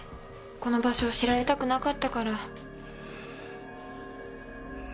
この場所を知られたくなかったから。